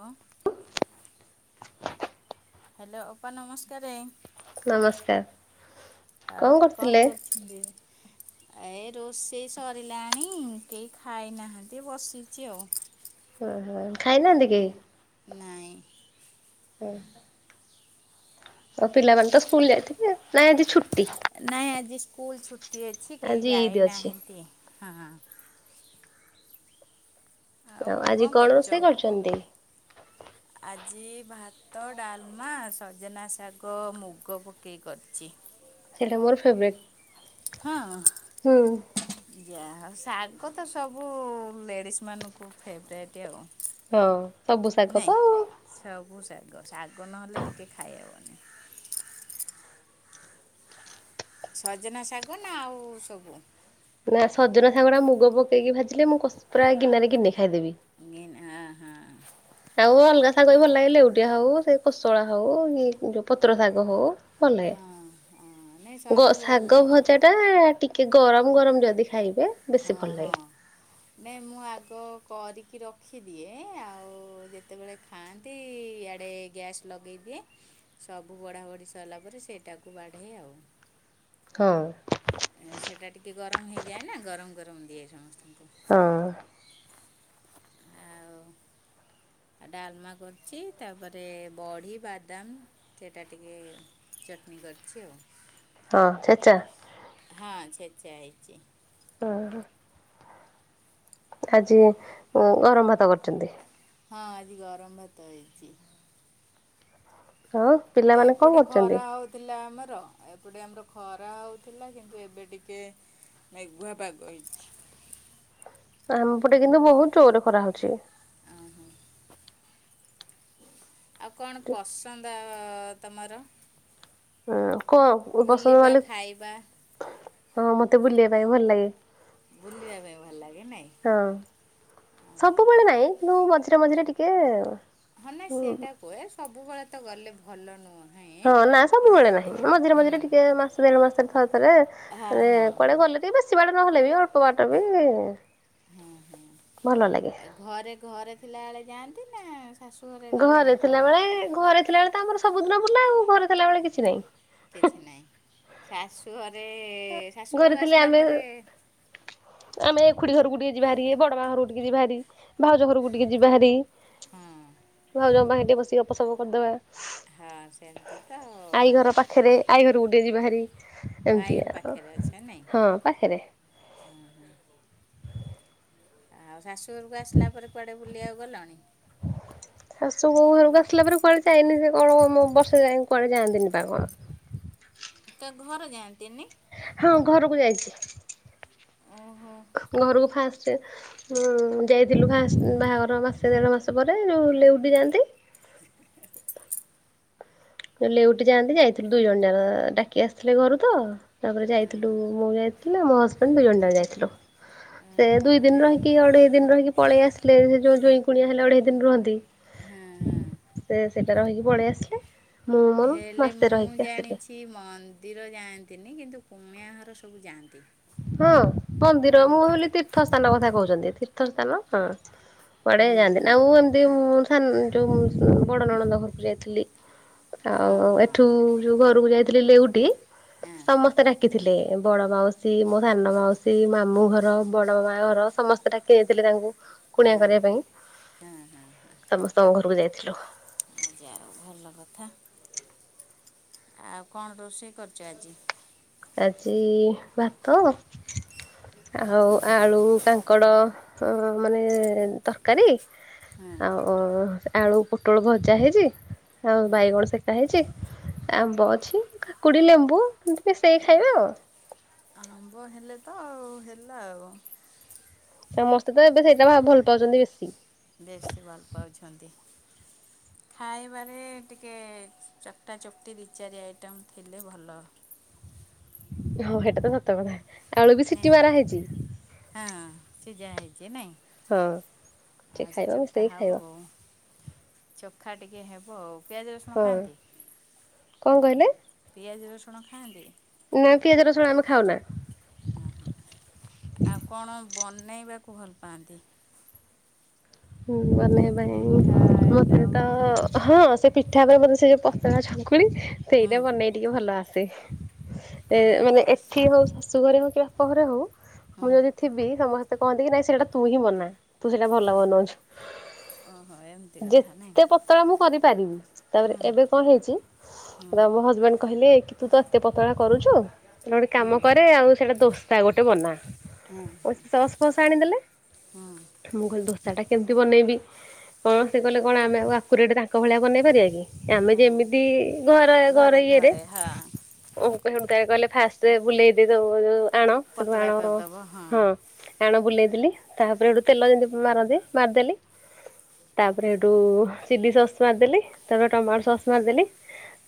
ହଁ? ହ୍ୟାଲୋ ଅପା ନମସ୍କାରେ। ନମସ୍କାର ଆଉ କଣ କରୁଥିଲେ? [unintelligible] ଏ ରୋଷେଇ ସରିଲାଣି କେହି ଖାଇନାହାନ୍ତି ବସିଛି ଆଉ। ଅ ହ ଖାଇନାହାଁନ୍ତି କେହି? ନାଇଁ ହ ଆଉ ପିଲାମାନେ ତ ସ୍କୁଲ ଯାଇଥିବେ ନାଇଁ ଆଜି ଛୁଟି। ନାଇଁ ଆଜି ସ୍କୁଲ ଛୁଟି ଅଛି କେହି ଆଜି ଇଦ୍ ଅଛି। ଯାଇନାହାଁନ୍ତି ହଁ। ଆଉ ଆଜି କଣ କରୁଛ? ରୋଷେଇ କରିଛନ୍ତି? ଆଜି ଭାତ ଡାଲମା ସଜନା ଶାଗ ମୁଗ ପକେଇ କରିଛି। ସେଟା ମୋର ଫେବରାଇଟ। ହଁ। ଯାହାଉ ଶାଗ ତ ସବୁ ଲେଡ଼ିସ୍ ମାନଙ୍କୁ ଫେବରାଇଟ୍ ଆଉ। ହଁ ସବୁ ଶାଗ ନାଇଁ ତ ଆଉ। ସବୁ ଶାଗ ଶାଗ ନହେଲେ ଟିକେ ଖାଇହବନି। ସଜନା ଶାଗ ନା ଆଉ ସବୁ? ନା ସଜନା ଶାଗୁରା ମୁଗ ପକେଇକି ଭାଜିଲେ ମୁଁ ପୁରା ଗିନାରେ ଗିନେ ଖାଇଦେବି। ଗିନା ଅହ। ଆଉ ଅଲଗା ଶାଗ ବି ଭଲ ଲାଗେ ଲେଉଟିଆ ହଉ ସେ କୋଶଳା ହଉ ଯୋଉ ପତ୍ର ଶାଗ ହଉ। ଭଲ ହଁ ହଁ ନାଇଁ ସବୁ ଲାଗେ ଭଲ ଶାଗ ଲାଗେ ଭଜାଟା ଟିକେ ଗରମ ଗରମ ଯଦି ଖାଇବେ ବେଶୀ ହଁ ଭଲ ହଁ। ଲାଗେ। ନାଇଁ ମୁଁ ଆଗ କରିକି ରଖିଦିଏ ଆଉ ଯେତେବେଳେ ଖାଆନ୍ତି ଇଆଡ଼େ ଗ୍ୟାସ୍ ଲଗେଇଦିଏ ସବୁ ବଢ଼ା ବଢ଼ି ସରିଲା ପରେ ସେଇଟାକୁ ବାଢ଼େ ଆଉ। ହଁ। ସେଟା ଟିକିଏ ଗରମ ହେଇଯାଏ ନା ଗରମ ଗରମ ଦିଏ ସମସ୍ତଙ୍କୁ। ହଁ। ଆଉ ଆଉ ଡାଲମା କରୁଛି ତାପରେ ବଢ଼ି ବାଦାମ ସେଇଟା ଟିକେ ଚଟଣି କରିଛି ଆଉ। ହଁ ଛେଚା? ହଁ ଛେଚା ହେଇଚି। ହଁ ହ। ଆଜି ଗରମ ଭାତ କରିଛନ୍ତି? ହଁ ଆଜି ଗରମ ଭାତ ହେଇଛି। ହଁ। ପିଲାମାନେ କଣ ଏପଟେ କରୁଛନ୍ତି? ଖରା ହଉଛି ଥିଲା ଆମର ଏପଟେ ଆମର ଖରା ହେଉଥିଲା କିନ୍ତୁ ଏବେ ଟିକେ ମେଘୁଆ ପାଗ ହେଇଛି। ଆମ ପଟେ କିନ୍ତୁ ବହୁତ ଜୋରେ ଖରା ହଉଛି। ଓହୋ। ଆଉ କଣ ପସନ୍ଦ ତମର? ହ କଣ ପସନ୍ଦ ବୁଲିବା ମାନେ ଖାଇବା ହଁ ମତେ ବୁଲିବା ପାଇଁ ଭଲ ଲାଗେ। ବୁଲିବା ପାଇଁ ଭଲ ଲାଗେ ନାଇଁ? ହଁ ସବୁବେଳେ ନାଇଁ କିୁ ମଝିରେ ମଝିରେ ଟିକେ। ହଁ ନା ସେଟା କୁହେ ସବୁବେଳେ ତ ଗଲେ ଭଲ ନୁହେଁ। ହଁ ନା ସବୁବେଳେ କିନ୍ତୁ ନାହିଁ ମଝିରେ ମଝିରେ ହୁଁ ଟିକେ ମାସେ ଦେଢ ମାସରେ ଥରେ ଥରେ ହଁ ମାନେ ହଁ ହଁ। କୁଆଡେ ଗଲେ ଟିକ ବେଶୀ ବାଟ ନହେଲେ ବି ଅଳ୍ପ ବାଟ ବି ହଁ ହଁ ଭଲ ଲାଗେ। ଘରେ ଘରେ ଥିଲାବେଳେ ଯାଆନ୍ତି ନା ଶାଶୁଘରେ ଘରେ ଗଲେଣି କୁଆଡ଼େ? ଥିଲାବେଳେ ଘରେ ଥିଲାବେଳେ ତ ଆମର ସବୁଦିନ ବୁଲା ଆଉ ଘରେ ଥିଲାବେଳେ ଆଉ କିଛି ନାହିଁ। କିଛି ନାହିଁ ଶାଶୁଘରେ ଶାଶୁ ଘରେ ଘରୁ ଥିଲେ ଆସିଲା ପରେ ଆମେ ଆମେ ଏ ଖୁଡି ଘରକୁ ଟିକେ ଯିବା ଭାରି ବଡ ମା ଘରକୁ ଟିକେ ଯିବା ଭାରି। ଭାଉଜ ଘରକୁ ଟିକେ ଯିବା ହାରି। ହଁ। ଭାଉଜ ଙ୍କ ପାଖରେ ଟିକେ ବସି ଗପସପ କରିଦେବା। ହଁ ସେମିତି ତ ଆଉ। ଘର ପାଖରେ ଆଈ ଘରକୁ ଗୋଟିଏ ଯିବା ଭାରି ଏମିତି ଭାଇର ଆଉ ପାଖରେ ଅଛ ନାଇଁ ହଁ ପାଖରେ। ଆଉ ଶାଶୁଘରକୁ ଆସିଲା ପରେ କୁଆଡ଼େ ବୁଲିବାକୁ ଗଲଣି? ଶାଶୁଘରକୁ ଆସିଲା ପରେ କୁଆଡ଼େ ଯାଇନି ସେ କଣ ବର୍ଷ ଯାଇକ କୁଆଡ଼େ ଯାଆନ୍ତିନି ବା କଣ। ତ ଘର ଯାଆନ୍ତିନି। ହଁ ଘରକୁ ଯାଇଛି। ଓହୋ ଘରକୁ ଫାଷ୍ଟ ହଁ ଯାଇଥିଲୁ ଫାଷ୍ଟ ବାହାଘର ହଁ ମାସେ ଦେଢ଼ ମାସ ପରେ ଲେଉଟି ଯାଆନ୍ତି। [unintelligible] ଲେଉଟି ଯାଆନ୍ତି ଯାଇଥିଲୁ ଦୁଇ ଜଣ ଯା ଡାକି ଆସିଥିଲେ ଘରୁ ତ। ତାପରେ ଯାଇଥିଲୁ ମୁଁ ଯାଇଥିଲି ମୋ ହଜବେଣ୍ଡ ଦି ଜଣ ଯାକ ଯାଇଥିଲୁ। ସେ ହଁ ଦୁଇ ଦିନ ହଁ ରହିକି ଅଢେଇ ଦିନ ରହିକି ପଳେଇ ଆସିଲେ ସେ ଯୋଉ ଯେଇଁ କୁଣିଆ ହେଲେ ଅଢେଇ ଦିନ ରୁହନ୍ତି। ହଁ। ସେ ସେଟା ରହିକି ପଳେଇ ଆସିଲେ। ମୁଁ ମୋର ହେଲେ ମାସେ ମୁଁ ରହିକି ଆସିଲି। ଜାଣିଛି ମନ ନ୍ଦିର ଯାଆନ୍ତିନି କିନ୍ତୁ କୁଣିଆ ଘର ସବୁ ଯାଆନ୍ତି। ହଁ ମନ୍ଦିର ମୁଁ ଆମ ପଟେ ଭାବିଲି ତୀର୍ଥ ସ୍ଥାନ କଥା କହୁଛନ୍ତି ତୀର୍ଥ ସ୍ଥାନ ହଁ। ପଡେଇ ହଁ ଯାଆନ୍ତି ହଁ ନା ମୁଁ ଏମିତି ମୁଁ ସା ଯୋଉ ବଡ ନଣନ୍ଦ ଘରକୁ ଯାଇଥିଲି। ଆଉ ହଁ ଏଠୁ ହଁ ଯୋଉ ଘରକୁ ଯାଇଥିଲି ଲେଉଟି ହଁ ସମସ୍ତେ ଡାକି ଥିଲେ ବଡ ମାଉସୀ ମେ ସାନ ମାଉସୀ ମାମୁଁ ଘର ବଡ଼ ମାଆ ଘର ସମସ୍ତେ ଡାକି ଯାଇଥିଲେ ତାଙ୍କୁ କୁଣିଆ କରିବା ପାଇଁ। ହଁ ହଁ ହଁ। ସମସ୍ତ ଙ୍କ ଘରକୁ ଯାଇଥିଲୁ। ଆ ଯାଉ ଭଲ କଥା ଆଉ କଣ ରୋଷେଇ କରୁଛୁ ଆଜି? ଆଜି ଭାତ ଆଉ ଆଳୁ କାଙ୍କଡ଼ ମାନେ ତରକାରୀ ହଁ ଆଉ ଆଳୁ ପୋଟଳ ଭଜା ହେଇଛି। ଆଉ ବାଇଗଣ ସେକା ହେଇଛି ଆମ୍ବ ଅଛି କାକୁଡି ଲେମ୍ବୁ ଏମିତି ମିଶେଇକି ଖାଇବେ ଆଉ। ଆମ୍ବ ହେଲେ ତ ଆଉ ହେଲା ଆଉ। ସମସ୍ତେ ତ ଏବେ ସେଇଟା ଭା ଭଲ ପାଉଛନ୍ତି ବେଶୀ। ବେଶୀ ଭଲ ପାଉଛନ୍ତି। ଖାଇବାରେ ଟିକେ ଚକ୍ଟା ଚକ୍ଟି ଦି ଚାରି ଆଇଟମ୍ ଥିଲେ ଭଲ। ହଁ ସେଇଟା ତ ସତ କଥା। ଆଳୁ ବି ନାଇଁ ସିଟି ମାରା ହେଇଛି। ହଁ ସିଝା ହେଇଛି ନାଇଁ? ହଁ। ଆଉ ସେ ଖାଇବା ଚକ୍ଟା ମିଶେଇକି ହବ ଖାଇବା ଆଉ। ଚୋଖା ଟିକେ ହେବ ଆଉ। ପିଆଜ ରସୁଣ ହଁ ଖାଆନ୍ତି? କଣ କହିଲେ ପିଆଜ ରସୁଣ ଖାଆନ୍ତି? ନାଁ ପିଆଜ ରସୁଣ ଆମେ ଖାଉନା। ହଁ ହଁ ଆଉ କଣ ବନେଇବାକୁ ଭଲ ପାଆନ୍ତି? ହୁଁ ବନେଇଆ ଯେମିତି ପିଠା ପାଇଁ ମତେ ଆଇଟମ୍ ତ ହଁ ସେ ପିଠା [unintelligible] ସେ ଯୋଉ ପତଳା ଚକୁଳି ହୁଁ ସେଇଟା ବନେଇ ଟିକେ ଭଲ ଆସେ। ଏ ମାନେ ଏଇଠି ହଉ ଶାଶୁ ଘରେ ହଉ କି ବାପଘରେ ହଉ ମୁଁ ଯଦି ଥିବି ସମସ୍ତେ କହନ୍ତି କି ନାଇଁ ସେଇଟା ତୁ ହିଁ ବନା। ତୁ ସେଇଟା ଭଲ ଓହୋ ବନଉଛୁ। ଓହୋ ଏମ୍ ଯେତେ ପତଳା ମୁଁ କରିପାରିବି। ତା ପରେ ହୁଁ ଏବେ କଣ ହେଇଛି ହୁଁ [unintelligible] ମୋ ହଜବେଣ୍ଡ କହିଲେ କି ତୁ ତ ଏତେ ପତଳା କରୁଛୁ ତାହେଲେ ଗୋଟେ କାମ ହୁଁ କରେ ଆଉ ସେଇଟା ଦୋସ୍ ସା ଗୋଟେ ବନା। ସେ ସସ୍ ଫସ୍ ଆଣିଦେଲେ। ମୁଁ କହିଲି ଦୋସାଟା କେମିତି ବନେଇବି? କଣ ସେ କହିଲେ କଣ ଆମେ ଆଉ ଆକୁରେଟ୍ ତାଙ୍କ ଭଳିଆ ବନେଇ ପାରିବା କି? ହୁଁ ଆମେ ଯେମି ନାଇଁ ତି ଘରେ ଘର ଇଏରେ ଘରେ ହଁ [unintelligible] ସେଇଠୁ ତାଙ୍କେ କହିଲେ ଫାଷ୍ଟ ବୁଲେଇ ଦେ [unintelligible] ଆଣ ସେଇଠୁ ପତଳା ଆଣ କରିଦେବ ହଁ ଆଣ ବୁଲେଇଦେଲି। ତା ପରେ ସେଇଠୁ ତେଲ ଯେମିତି ମାରନ୍ତି ମାରିଦେଲି। ତା ପରେ ସେଇଠୁ ଚିଲି ସସ୍ ମାରିଦେଲି ତା ପରେ ଟମାଟ ସସ୍ ମାରିଦେଲି।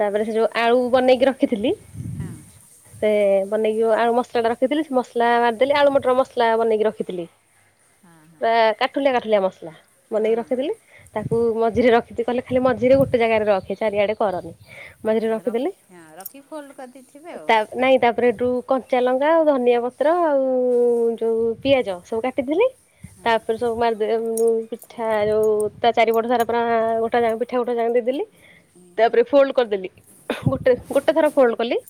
ତା ପରେ ସେ ଯୋଉ ଆଳୁ ବନେଇକି ରଖିଥିଲି ହଁ। ସେ ବନେଇକି ଯୋଉ ଆଳୁ ମସଲାଟା ରଖିଥିଲି ସେ ମସଲା ମାରିଦେଲି ଆଳୁ ମଟର ମସଲା ବନେଇକି ରଖିଥିଲି। ହଁ ଆଁ କାଠୁଲିଆ କାଠୁଲିଆ ମସଲା ହଁ। ବନେଇକି ହଁ ରଖିଥିଲି। ତାକୁ ମଝିରେ ରଖିଦେ କହିଲେ ଖାଲି ମଝିରେ ଗୋଟେ ଜାଗାରେ ରଖେ ଚାରିଆଡେ କରନି। ମଝିରେ ରଖିଦେଲି। ରଖିକି ଫୋଲ୍ଡ କରିଦେଇଥିବେ ଆଉ? ତା ନାଇଁ ତା ପରେ ସେଇଠୁ କଞ୍ଚା ଲଙ୍କା ଆଉ ଧନିଆ ପତ୍ର ଆଉ ଯୋଉ ପିଆଜ ସବୁ କାଟିଥିଲି। ହଁ ତା ପରେ ସବୁ ମାର୍ ଯୋଉ ପିଠା ଯୋଉ ତା ଚାରିପଟ ସାରା ପୁରା [unintelligible] ପିଠା ଗୋଟେ [unintelligible] ଦେଇଦେଲି। ତା ପରେ ଫୋଲ୍ଡ କରିଦେଲି ଗୋଟେ ଗୋଟେ ଥର ଫୋଲ୍ଡ କଲି।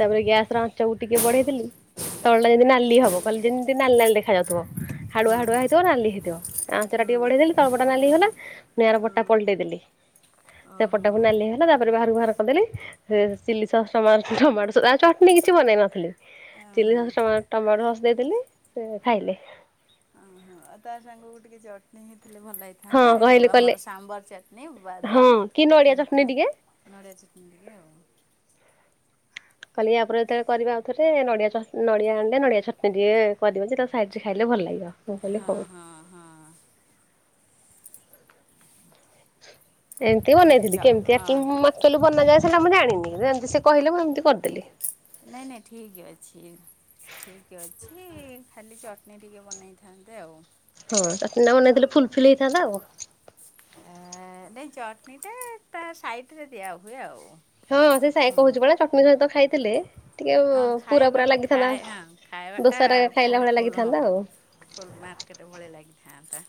ତା ପରେ ଗ୍ୟାସର ଆଞ୍ଚକୁ ଟିକେ ବଢେଇଦେଲି। ତଳଟା ଯେମିତି ନାଲି ହବ। କହିଲେ ଯେମିତି ନାଲି ନାଲି ଦେଖାଯାଉିଥବ। ହାଡୁଆ ହାଡୁଆ ହେଇଥିବ ନାଲି ହେଇଥିବ। ଆଞ୍ଚଟା ଟିକେ ବଢେଇଦେଲି ତଳପଟଟା ନାଲି ହେଇଗଲା। ପୁଣି ଆର ପଟଟା ପଲଟେଇଦେଲି। ଓହୋ ସେପଟଟା ପୁଣି ନାଲି ହେଇଗଲା। ତା ପରେ ବାହାରୁକୁ ବାହାର କରିଦେଲି। ସେ ଚିଲି ସସ୍ ଟମାଟ-ଟମାଟୋ ସସ୍ ଆଉ ଚଟଣି କିଛି ବନେଇ ନଥିଲି। ଚିଲି ଓହୋ ସସ୍ ଟମା-ଟମାଟୋ ସସ୍ ଦେଇଦେଲି ସେ ଖାଇଲେ। ଓହୋ ଆଉ ତା ସାଙ୍ଗୁକୁ ଟିକେ ଚଟଣି ହେଇଥିଲେ ଭଲ ହେଇ ହଁ ଥାନ୍ତା। ଏଇ ଯୋଉ କହିଲେ କହିଲେ ଆମର ସାମ୍ବର ଚଟଣି ହଁ ବାଦାମ କି ନଡ଼ିଆ ଚଟଣି ହେରିକା ଟିକେ ଆଉ। ନଡ଼ିଆ ଚଟଣି ଟିକେ ଆଉ। କହିଲେ କି ଇଆପରେ ଯେତେବେଳେ କରିବା ଆଉଥରେ ନଡିଆ ଚଟ୍ ନଡିଆ ଆଣିଲେ ନଡ଼ିଆ ଚଟଣି ଟିକେ କରିବ ଯେ ତାକୁ ସାଇଟରେ ଖାଇଲେ ଭଲ ଲାଗିବ। ନହେଲେ ହଁ କହିବ। ହଁ ହଁ ଏମିତି ତାହେଲେ ଚ ମନେଇଥିଲି କେମିତିଆ ହଁ କି କହିଲୁ ବନା ଯାଏ ସେଟା ମୁଁ ଜାଣିନି ଯେମିତି ସେ କହିଲେ ମୁଁ ଏମିତି କରିଦେଲି। ନାଇ ନାଇ ଠିକ୍ ଅଛି। ଠିକ୍ ଅଛି ଖାଲି ଚଟନି ଟିକେ ବନେଇଥାନ୍ତେ ଆଉ। ହଁ ଚଟନି ଟା ବନେଇଥିଲେ ଫୁଲ୍ ଫିଲ୍ ହେଇଥାନ୍ତା ଆଉ। ଏ, ନାଇଁ ଚଟଣିଟା ତା ସାଇଟ୍ ରେ ଦିଆ ହୁଏ ଆଉ। ହଁ ସେ ସାଇ ହୁଁ କହୁଛି ପରା ଚଟଣି ସହିତ ଖାଇଥିଲେ ଟିକେ ହଁ ପୁରା ପୁରା ଖାଇବାଟା ଲାଗିଥାନ୍ତା। ଖାଇଏ ହଁ ଖାଇବାଟା ଦୋସାରେ ଖାଇଲା ଫୁଲ୍ ଭଳିଆ ଫୁଲ୍ ହଁ। ଲାଗିଥାନ୍ତା ଆଉ ଫୁଲ୍ ମାର୍କେଟ୍ ଭଳିଆ ଲାଗିଥାନ୍ତା।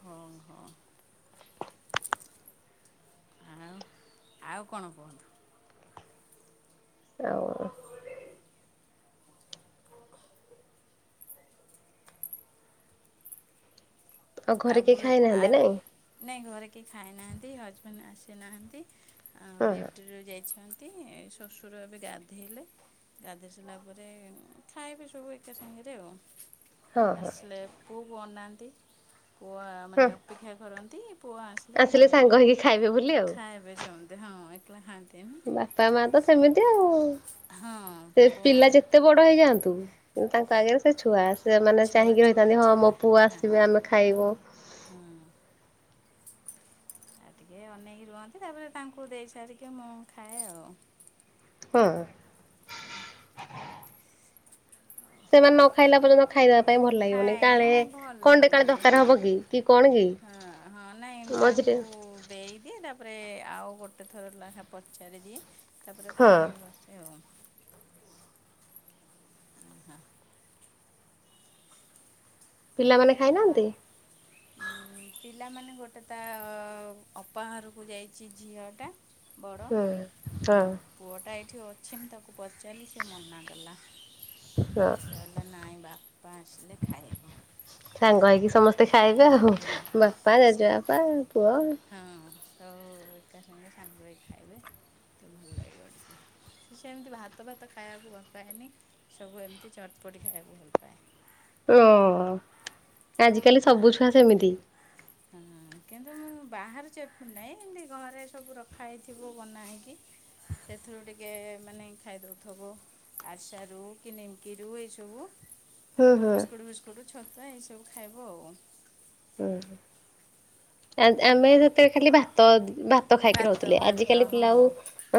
ହଁ ହଁ। ଆଉ ଆଉ କଣ କୁହନ୍ତୁ? ଆଉ ଆଉ ଘରେ କେହି ବୁଲ୍ ଆ ଖାଇନାହାନ୍ତି ନାଇଁ। ନାହିଁ ଘରେ କେହି ଖାଇନାହାନ୍ତି। ହଜବେଣ୍ଡ ଆସିନାହାଁନ୍ତି। ଆଉ ହଁ ଡ୍ୟୁଟିରୁ ଯାଇଛନ୍ତି। ନ୍ତି ଶଶୁର ଏବେ ଗାଧୋଇଲେ। ଗାଧୋଇ ସୋଇଲାପରେ ଖାଏବେ ସବୁ ଏକା ସାଙ୍ଗରେ ଆଉ। ହଁ ହଁ ଆସିଲେ ପୁଅକୁ ଅନାନ୍ତି ପୁଅ ହଁ ମାନେ ଅପେକ୍ଷା କରନ୍ତି ପୁଅ ଆସିଲେ ସାଙ୍ଗ ଖାଇବେ ହେଇକି ଖାଇବେ ବୋଲି ଆଉ। ଖାଇବେ ହଁ ଏକଲା ଖାଆନ୍ତି ବାପା ମା ତ ସେମିତି ଆଉ ହଁ ସେ ପୁଅ ପିଲା ଯେତେ ବଡ ବଡ ହେଇଯାଆନ୍ତୁ କିନ୍ତୁ ତାଙ୍କ ଆଗରେ ସେ ଛୁଆ ଆସ ସେମାନେ ଛୁଆ ଚାହିଁକି ଛୁଆ ରହିଥାନ୍ତି ହଁ ମୋ ଛୁଆ ପୁଅ ହଁ ଆସିବେ ଆମେ ଖାଇବୁ। ହଁ। ଆଉ ଟିକେ ଅନେଇକି ରୁହନ୍ତି ତାପରେ ତାଙ୍କୁ ଦେଇସାରିକି ମୁଁ ଖାଏ ଆଉ। ହଁ ସେମାନେ ନ ଖାଇଲା ପର୍ଯ୍ୟନ୍ତ ଖାଇବା ପାଇଁ ଭଲ ଲାଗିବନି ଖାଏ କାଳେ ନାଇଁ ଭଲ କଣ୍ଡେ କାଳେ ଲାଗିବନି ଦରକାର ହବ କି କି କଣ କି ହଁ ହଁ ନାଇଁ ମୁ ମଝିରେ ତାଙ୍କୁ ଦେଇ ଦିଏ ତାପରେ ଆଉ ଗୋଟେ ଥର ଲେଖା ପଚାରି ଦିଏ ତାପରେ ପୁଣି ହଁ। ବସେ ଆଉ ହଁ। ପିଲାମାନେ ଅ ଖାଇନାହାନ୍ତି? ପିଲାମାନେ ଗୋଟେ ତା ଅପାଘରକୁ ଯାଇଛି ଝିଅଟା ବଡ଼ ହୁଁ ହଁ ପୁଅଟା ଏଇଠି ଅଛି ମୁଁ ତାକୁ ପଚାରିଲି ସେ ମନା କଲା। ହଁ କହିଲା ନାଇଁ ବାପା ଆସିଲେ ଖାଇ ବୁ। ସାଙ୍ଗ ହେଇକି ସମସ୍ତେ ଖାଇବେ ଆଉ ହୁଁ ବାପା, ସେ ଜେଜେ ବାପା, ପୁଅ। ହଁ ସବୁ ଏକା ସାଙ୍ଗେ ସାଙ୍ଗ ହୋଇକି ଖାଇବେ ତ ଭଲ ଲାଗିବ ଟିକେ। କି ସେ ଏମିତି ଭାତ ଭାତ ଖାଇବାକୁ ଭଲ ପାଏନି, ସବୁ ଏମିତି ଚଟପଟି ଖାଇବାକୁ ଭଲ ପାଏ। ଓ ଆଜିକାଲି ସବୁ ଛୁଆ ସେମିତି। ହଁ କିନ୍ତୁ ମୁଁ ବାହାରୁ ଚପୁ ନାହିଁ ଏମତି ଘରେ ସବୁ ରଖା ହେଇଥିବ ବନା ହେଇକି ସେଥିରୁ ଟିକେ ମାନେ ଖାଇଦେଉଥିବ। ଆରିସା ରୁ କି ନିମିକି ରୁ ଏଇ ସବୁ ହୁଁ ହୁଁ ବିସ୍କୁଟ୍ ଫିସ୍କୁଟ୍ ଛତୁଆ ଏଇ ସବୁ ଖାଇବ ଆଉ। ହୁଁ ଆମେ ସେଥିରେ ଖାଲି ଭାତ ଭାତ ଖାଇକି ରହୁଥିଲେ ଭାତ ଆଜିକାଲି ପିଲା ହଁ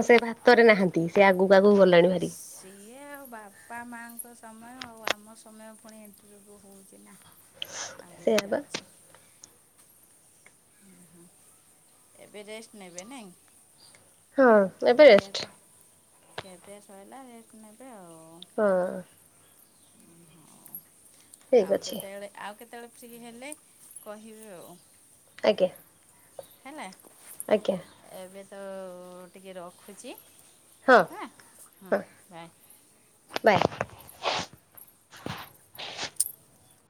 ସେ ଭାତରେ ନାହାନ୍ତି ସେ ଆଗକୁ ଆଗକୁ ଗଲାଣି ଭାରି। ସିଏ ଆଉ ବାପା ମାଁ ଆଙ୍କ ସମୟ ଆଉ ଆମ ସମୟ ପୁଣି ଇଣ୍ଟଭ୍ୟୁ ହଉଚି ନା। ସେଇଆ ଆଗୁକୁ ବା। ଯାଉଚି। ଉହୁଁ ଏବେ ରେଷ୍ଟ୍ ନେବେ ନାଇଁ? ହଁ ଏବେ ରେଷ୍ଟ୍। ଖିଆ ପିଆ ସଇଲା ରେଷ୍ଟ୍ ନେବେ ଆଉ। ହଁ। ଓହୋ ଠିକ୍ ଆଉ ଅଛି କେତେବେଳେ ଆଉ କେତେବେଳେ ଫ୍ରି ହେଲେ କହିବେ ଆଉ। ଆଜ୍ଞା। ହେଲା। ଆଜ୍ଞା। ଏବେ ତ ଟିକେ ରଖୁଚି। ହଁ-ହଁ ବାଏ।